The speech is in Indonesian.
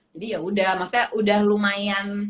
jadi ya udah maksudnya udah lumayan